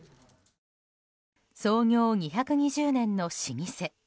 創業２２０年の老舗。